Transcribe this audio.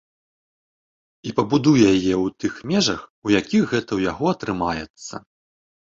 І пабудуе яе ў тых межах, у якіх гэта ў яго атрымаецца.